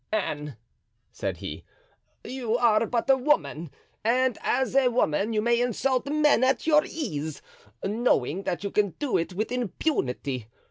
"Anne," said he, "you are but a woman and as a woman you may insult men at your ease, knowing that you can do it with impunity.